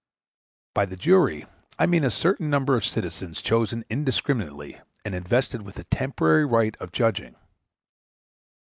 By the jury I mean a certain number of citizens chosen indiscriminately, and invested with a temporary right of judging.